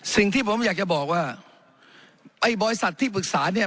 สิ่งที่ผมอยากจะบอกว่าไอ้บริษัทที่ปรึกษาเนี่ย